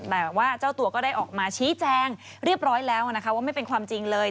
แต่ว่าเจ้าตัวก็ได้ออกมาชี้แจงเรียบร้อยแล้วนะคะว่าไม่เป็นความจริงเลย